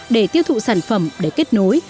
để tiêu thụ sản phẩm để kết nối